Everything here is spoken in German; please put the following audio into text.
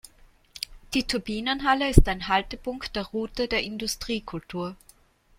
Die Turbinenhalle ist ein Haltepunkt der Route der Industriekultur.